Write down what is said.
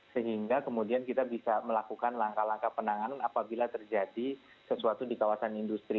sehingga kemudian kita bisa melakukan langkah langkah penanganan apabila terjadi sesuatu di kawasan industri